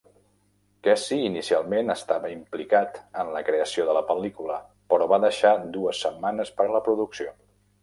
Kesey inicialment estava implicat en la creació de la pel·lícula, però va deixar dues setmanes per a la producció.